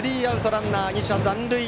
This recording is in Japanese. ランナー、２者残塁。